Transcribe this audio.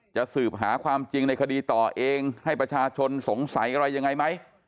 จะสืบหาความจริงในคดีต่อเองให้ประชาชนสงสัยอะไรยังไงไหม